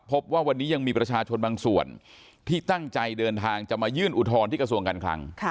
พบว่าวันนี้ยังมีประชาชนบางส่วนที่ตั้งใจเดินทางจะมายื่นอุทธรณ์ที่กระทรวงการคลัง